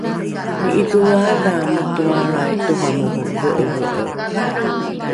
ni’idholroadha matoalrai toramoro ve’eve’e